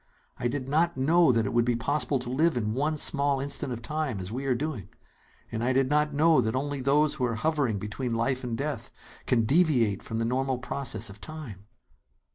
I did not know that it would be possible to live in one small instant of time, as we are doing. And I did not know that only those who are hovering between life and death can deviate from the normal process of time!"